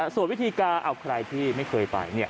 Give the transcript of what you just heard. ส่วนวิธีการเอาใครที่ไม่เคยไป